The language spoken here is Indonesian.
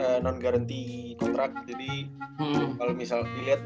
anche bozen kita punya cterna tiets besteacts obat muatan datang airan seperti sepertisecond